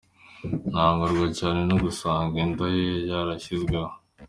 Ntungurwa cyane no gusanga inda ye yaranshyizweho.